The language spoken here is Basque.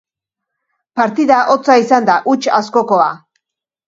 Partida hotza izan da, huts askokoa.